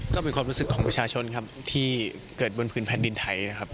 ก็เป็นความรู้สึกของประชาชนครับที่เกิดบนพื้นแผ่นดินไทยนะครับ